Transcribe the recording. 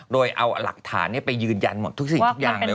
โดยเอาหลักฐานไปยืนยันหมดทุกสิ่งทุกอย่างเลย